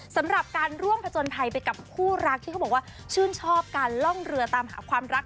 สำหรับการร่วมผจญภัยไปกับคู่รักที่เขาบอกว่าชื่นชอบการล่องเรือตามหาความรัก